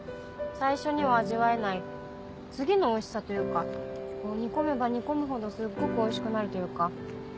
最初には味わえない次のおいしさというか煮込めば煮込むほどすっごくおいしくなるというか。